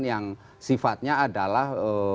yang sifatnya adalah